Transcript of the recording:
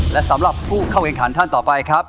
และสำหรับผู้เข้าแข่งขันท่านต่อไปครับ